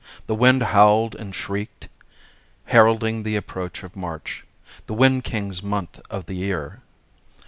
The wind howled and shrieked, heralding the approach of March, the Wind King's month of the year.